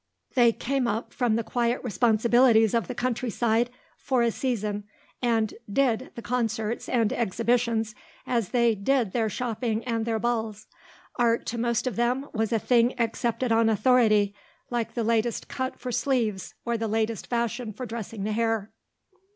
They "came up" from the quiet responsibilities of the country side for a season and "did" the concerts and exhibitions as they "did" their shopping and their balls. Art, to most of them, was a thing accepted on authority, like the latest cut for sleeves or the latest fashion for dressing the hair.